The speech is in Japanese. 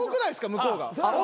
向こうが。